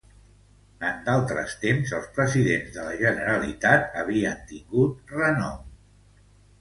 En d'altres temps, els presidents de la Generalitat havien tingut renom.